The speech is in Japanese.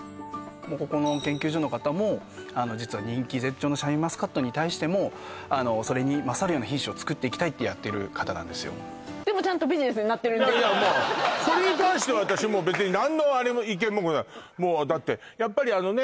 ここの研究所の方も実は人気絶頂のシャインマスカットに対してもそれに勝るような品種を作っていきたいってやってる方なんですよでもちゃんといやいやまあそれに関しては私もう別に何の意見ももうだってやっぱりあのね